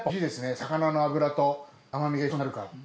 魚の脂と甘みが一緒になるから。